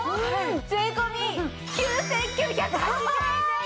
税込９９８０円です！